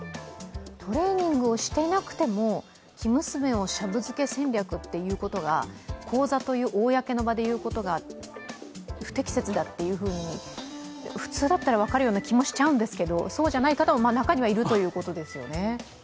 トレーニングをしていなくても、生娘をシャブ漬け戦略ということが講座という公の場で言うことが不適切だというふうに普通だったら分かるような気もしちゃうんですけどそうじゃない方も中にはいるということですよね。